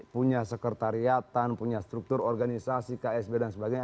punya sekretariatan punya struktur organisasi ksb dan sebagainya